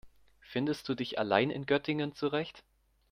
Findest du dich allein in Göttingen zurecht?